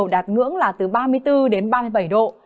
nhiệt độ đạt ngưỡng là từ ba mươi bốn ba mươi bảy độ